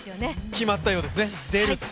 決まったようですね、出る！